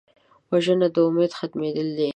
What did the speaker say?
وژنه د امید ختمېدل دي